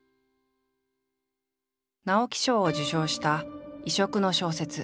直木賞を受賞した異色の小説